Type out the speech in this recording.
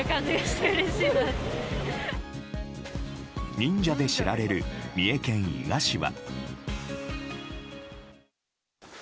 忍者で知られる三重県伊賀市は。